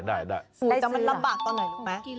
แต่มันลำบากตอนไหนลูกแม่